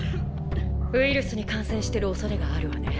ウイルスに感染してるおそれがあるわね。